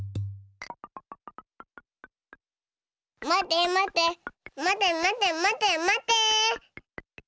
まてまてまてまてまてまて。